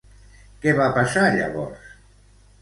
Què va passar llavors?